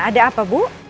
ada apa bu